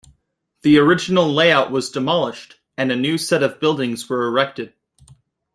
The original layout was demolished, and a new set of buildings were erected.